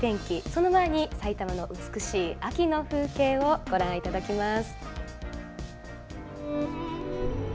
その前に埼玉の美しい秋の風景をご覧いただきます。